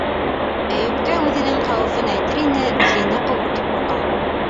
Әйүпкә үҙенең хәүефен әйтер ине - ене ҡубыр тип ҡурҡа.